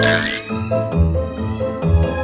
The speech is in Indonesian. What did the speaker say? tapi pak ustadz